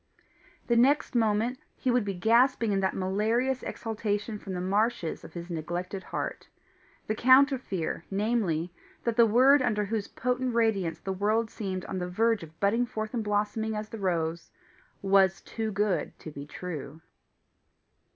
The next moment he would be gasping in that malarious exhalation from the marshes of his neglected heart the counter fear, namely, that the word under whose potent radiance the world seemed on the verge of budding forth and blossoming as the rose, was TOO GOOD TO BE TRUE.